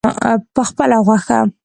پخپله خوښه.